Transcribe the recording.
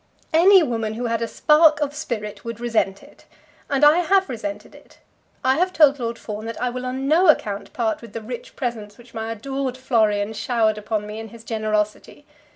"Any woman who had a spark of spirit would resent it, and I have resented it. I have told Lord Fawn that I will, on no account, part with the rich presents which my adored Florian showered upon me in his generosity.